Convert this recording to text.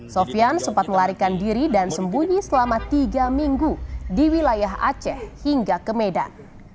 sofian sempat melarikan diri dan sembunyi selama tiga minggu di wilayah aceh hingga ke medan